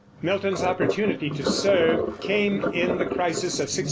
Milton's opportunity to serve came in the crisis of 1649.